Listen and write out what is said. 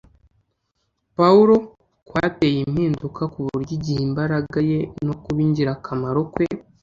Pawulo kwateye impinduka ku buryo igihe imbaraga ye no kuba ingirakamaro kwe